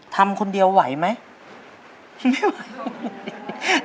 ทำคนเดียวไหวไหมไม่ไหว